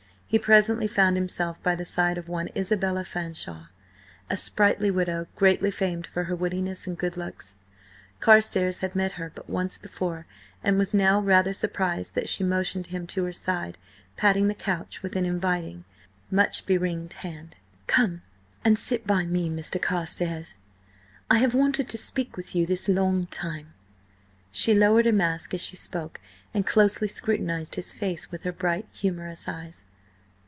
He presently found himself by the side of one Isabella Fanshawe, a sprightly widow, greatly famed for her wittiness and good looks. Carstares had met her but once before, and was now rather surprised that she motioned him to her side, patting the couch with an inviting, much be ringed hand. "Come and sit by me, Mr. Carstares. I have wanted to speak with you this long time." She lowered her mask as she spoke and closely scrutinised his face with her bright, humorous eyes.